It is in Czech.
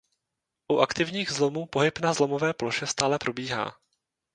U aktivních zlomů pohyb na zlomové ploše stále probíhá.